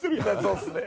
そうですね。